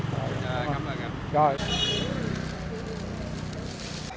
rồi cảm ơn các bạn